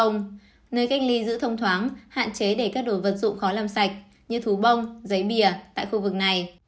nơi cách ly giữ thông thoáng hạn chế để các đồ vật dụng khó làm sạch như thú bông giấy bìa tại khu vực này